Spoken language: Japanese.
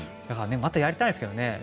またやりたいですけどね。